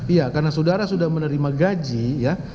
iya karena saudara sudah menerima gaji ya